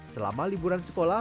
selama liburan sekolah